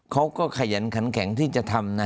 ขยันขันแข็งที่จะทำนะ